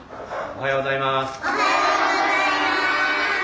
おはようございます。